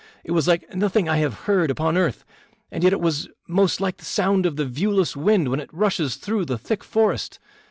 It was like nothing I have heard upon earth, and yet was it most like the sound of the viewless wind when it rushes through the thick forest.